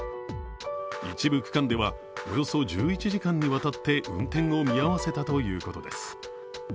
一部区間ではおよそ１１時間にわたって運転を見合わせたということです。